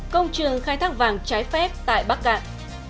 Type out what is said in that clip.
công trường khai thác vàng trái phép tại bắc cạn